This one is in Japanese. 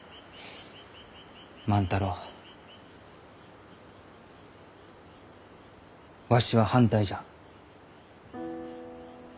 万太郎わしは反対じゃ。